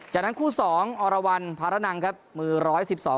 จากนั้นคู่สองอรวรรณภาระนังครับมือร้อยสิบสอง